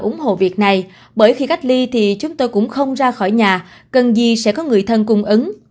ủng hộ việc này bởi khi cách ly thì chúng tôi cũng không ra khỏi nhà cần gì sẽ có người thân cung ứng